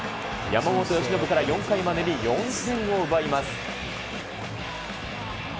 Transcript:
山本由伸から４回までに４点を奪います。